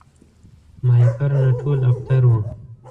ماهیپر نه ټول ابتر وو